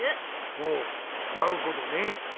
ほうなるほどね。